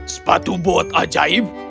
sepatu buat ajaib